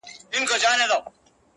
مړ يې کړم اوبه له ياده وباسم.